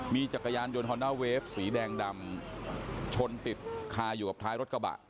มีจักรยานยนต์ฮอนด้าเวฟสีแดงดำชนติดคาอยู่กับท้ายรถกระบะ